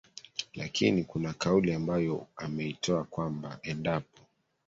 lakini kuna kauli ambayo ameitoa kwamba endapo